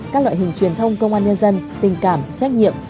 các loại hình truyền thông công an nhân dân tình cảm trách nhiệm